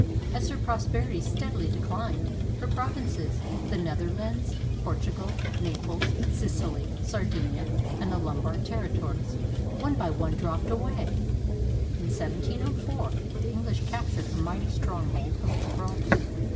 As her prosperity steadily declined, her provinces — the Netherlands, Portugal, Naples, Sicily, Sar dinia, and the Lombard territories — one by one dropped away. In 1704, the English captured her mighty stronghold of Gibraltar.